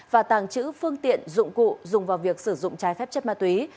và tàng trữ phương tiện dụng cụ dùng vào việc sử dụng trái phép chất ma túy